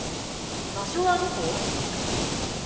場所はどこ？